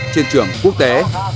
trên trường quốc tế